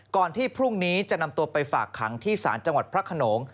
ก่อนที่พรุ่งนี้จะนำตัวไปฝากขังที่ศาลจังหวัดพระขนง